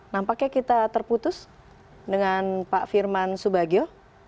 nampaknya kita terputus dengan pak firman subagio